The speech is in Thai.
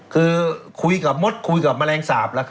คือคุยกับมสกลับและแมลงศาพกัน